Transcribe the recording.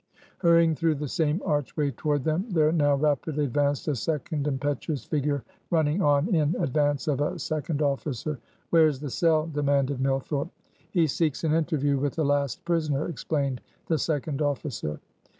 Hurrying through the same archway toward them, there now rapidly advanced a second impetuous figure, running on in advance of a second officer. "Where is the cell?" demanded Millthorpe. "He seeks an interview with the last prisoner," explained the second officer.